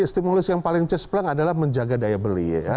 stimulus yang paling cek sepelahnya adalah menjaga daya beli